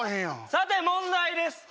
さて問題です